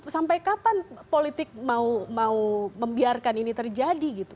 sampai kapan politik mau membiarkan ini terjadi gitu